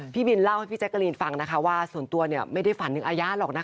พี่บินเล่าให้พี่แจ๊กกะรีนฟังนะคะว่าส่วนตัวไม่ได้ฝันถึงอาญาหรอกนะคะ